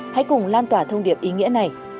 hãy cùng lan tỏa thông điệp ý nghĩa này